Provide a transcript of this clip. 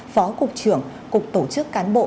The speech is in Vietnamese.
phó cục trưởng cục tổ chức cán bộ